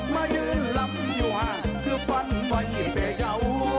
มายืนลำอยู่ห้างคือฟันไว้แต่เยา